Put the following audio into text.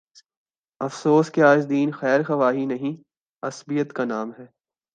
افسوس کہ آج دین خیر خواہی نہیں، عصبیت کا نام ہے۔